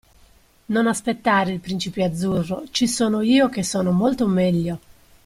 Non aspettare il principe azzurro, ci sono io che sono molto meglio!